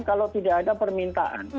kalau tidak ada permintaan